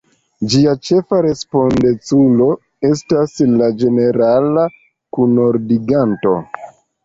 Ĝia ĉefa respondeculo estas la Ĝenerala Kunordiganto.